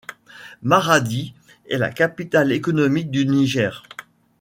Maradi est la capitale économique du Niger.